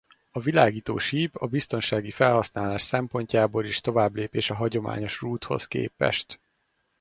A világító síp a biztonsági felhasználás szempontjából is továbblépés a hagyományos rúdhoz képest.